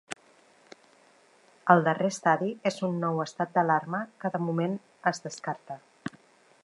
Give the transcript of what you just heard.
El darrer estadi és un nou estat d’alarma, que de moment es descarta.